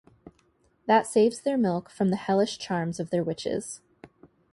That saves their milk from the hellish charms of their witches.